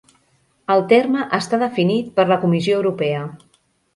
El terme està definit per la Comissió Europea.